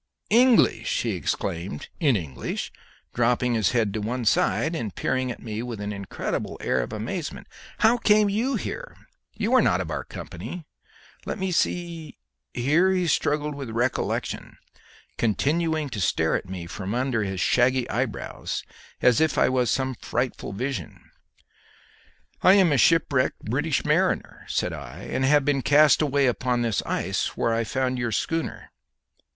"English!" he exclaimed in English, dropping his head on one side, and peering at me with an incredible air of amazement. "How came you here? You are not of our company? Let me see..." Here he struggled with recollection, continuing to stare at me from under his shaggy eyebrows as if I was some frightful vision. "I am a shipwrecked British mariner," said I, "and have been cast away upon this ice, where I found your schooner."